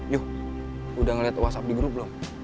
yuh udah ngeliat whatsapp di grup belum